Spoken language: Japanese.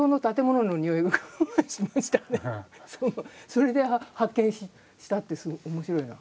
それで発見したって面白いな。